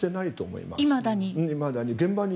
いまだに。